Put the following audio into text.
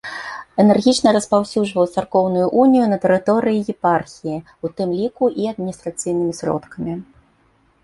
Энергічна распаўсюджваў царкоўную унію на тэрыторыі епархіі, у тым ліку і адміністрацыйнымі сродкамі.